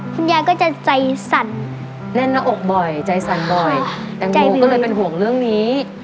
คุณยายก็จะใจสั่นแน่นหน้าอกบ่อยใจสั่นบ่อยแตงโมก็เลยเป็นห่วงเรื่องนี้